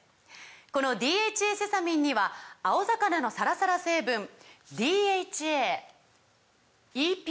この「ＤＨＡセサミン」には青魚のサラサラ成分ＤＨＡＥＰＡ